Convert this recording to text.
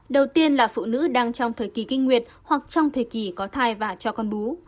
đầu tiên là phụ nữ đang trong thời kỳ kinh nguyệt hoặc trong thời kỳ có thai và cho con bú